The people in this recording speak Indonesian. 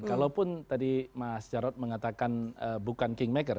kalaupun tadi mas jarod mengatakan bukan kingmaker